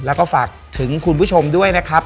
แล้วก็ฝากถึงคุณผู้ชมด้วยนะครับ